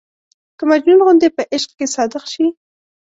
که مجنون غوندې په عشق کې صادق شي.